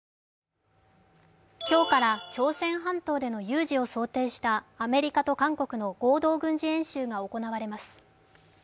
今日から朝鮮半島での有事を想定したアメリカと韓国の合同軍事演習が行われます。